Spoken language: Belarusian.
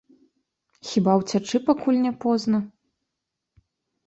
Хіба ўцячы, пакуль не позна?